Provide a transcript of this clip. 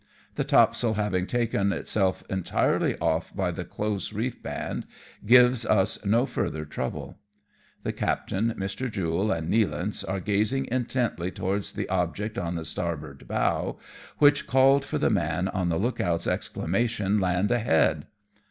The topsail having taken itself entirely off by the close reef band, gives us no further trouble. The captain, Mr. Jule, and Nealance are gazing intently towards the object on the starboard bow, which called for the man on the look out's exclamation, " Land ahead."